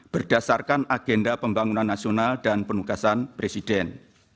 berdasarkan agenda pembangunan nasional dan penugasan presiden